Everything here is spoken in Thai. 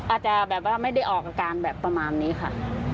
อาจจะแบบว่าไม่ได้ออกการความหมายแปลประมาณนี้ค่ะ